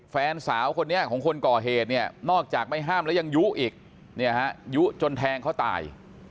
แฟนสาวคนนี้ของคนก่อเหตุเนี่ยนอกจากไม่ห้ามแล้วยังยุอีกยุจนแทงเขาตาย